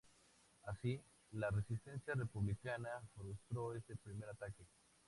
Así, la resistencia republicana frustró este primer ataque.